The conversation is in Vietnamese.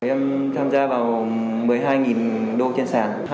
em tham gia vào một mươi hai đô trên sàn